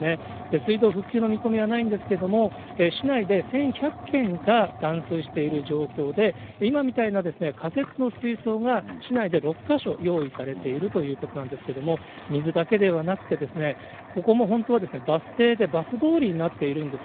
水道復旧の見込みはないんですけれども、市内で１１００軒が断水している状況で、今みたいな仮設の水槽が、市内で６か所用意されているということなんですけれども、水だけではなくて、ここも本当はバス停で、バス通りになっているんです。